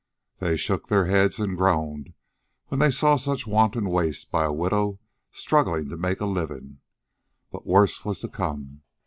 They shook their heads and groaned when they saw such wanton waste by a widow struggling to make a living. But worse was to come.